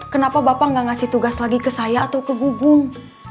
kenapa bapak nggak ngasih tugas lagi ke saya atau ke gugung